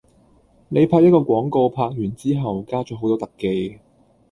你拍一個廣告拍完之後加咗好多特技